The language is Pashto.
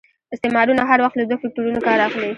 استعمارونه هر وخت له دوه فکټورنو کار اخلي.